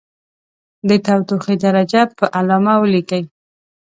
د تودوخې درجه په علامه ولیکئ.